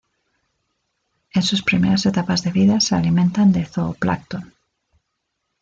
En sus primeras etapas de vida se alimentan de zooplancton.